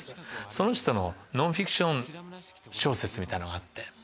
その人のノンフィクション小説みたいのがあって。